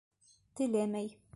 Теләмәй.